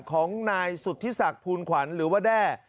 ของนายสุธิศักดิ์ภูลขวัญหรือว่าแด้